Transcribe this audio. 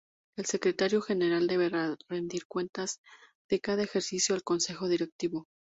El Secretario General deberá rendir cuentas de cada ejercicio al Consejo Directivo.